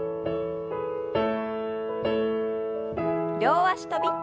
両脚跳び。